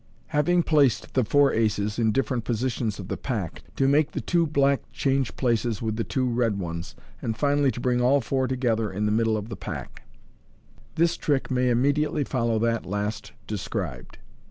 Having placed the Four Aces in different positions in thb Pack, to make the two Black change places with the two Red ones, and finally to bring all Four together in the middlb of thb Pack. — This trick may immediately follow that last described.